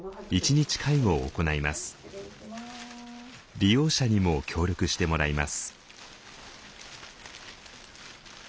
利用者にも協力してもらいます。